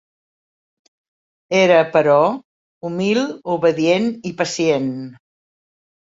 Era, però, humil, obedient i pacient.